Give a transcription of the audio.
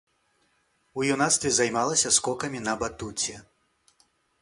У юнацтве займалася скокамі на батуце.